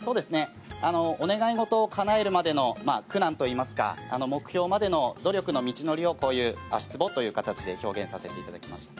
お願いごとをかなえるまでの苦難といいますか目標までの努力の道のりを足つぼという形で表現させていただきました。